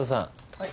はい。